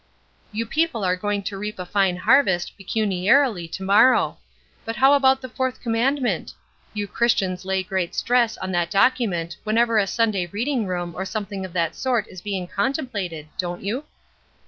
"You people are going to reap a fine harvest, pecuniarily, to morrow; but how about the fourth commandment? You Christians lay great stress on that document whenever a Sunday reading room or something of that sort is being contemplated, don't you?"